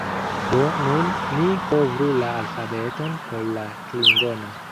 Do, nun ni kovru la alfabeton por la klingona